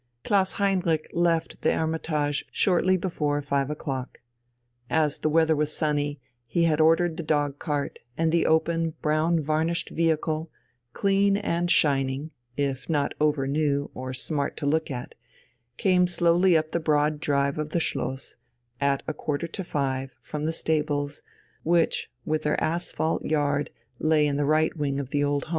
Klaus Heinrich left the Hermitage shortly before five o'clock. As the weather was sunny, he had ordered the dogcart, and the open brown varnished vehicle, clean and shining, if not over new or smart to look at, came slowly up the broad drive of the Schloss, at a quarter to five, from the stables, which with their asphalt yard lay in the right wing of the home farm.